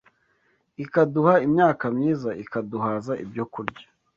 ikaduha imyaka myiza, ikaduhaza ibyokurya